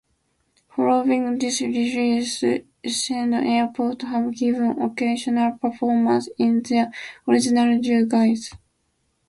Following this release Essendon Airport have given occasional performances in their original duo guise.